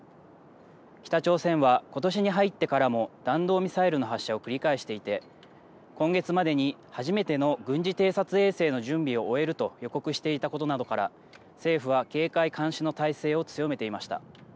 北朝鮮はことしに入ってからも弾道ミサイルの発射を繰り返していて今月までに初めての軍事偵察衛星の準備を終えると予告していたことなどから政府は警戒監視の態勢を強めていました。